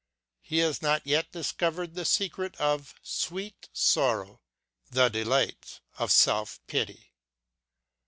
He has not yet discovered the secret of " sweet sorrow," the delights of self pity.